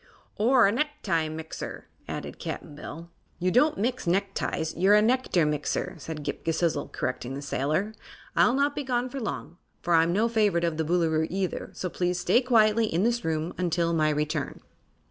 "Or a necktie mixer," added Cap'n Bill. "You don't mix neckties; you're a nectar mixer," said Ghip Ghisizzle, correcting the sailor. "I'll not be gone long, for I'm no favorite of the Boolooroo, either, so please stay quietly in this room until my return."